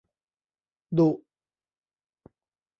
ดุ